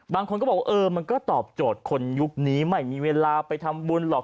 บางคนก็บอกว่าเออมันก็ตอบโจทย์คนยุคนี้ไม่มีเวลาไปทำบุญหรอก